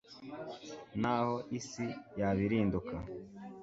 n'aho isi yabirinduka